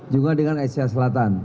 juga dengan asia selatan